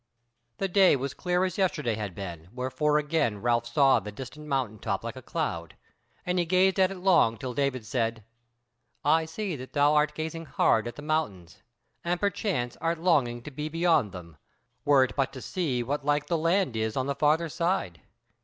The day was clear as yesterday had been, wherefore again Ralph saw the distant mountain top like a cloud; and he gazed at it long till David said: "I see that thou art gazing hard at the mountains, and perchance art longing to be beyond them, were it but to see what like the land is on the further side.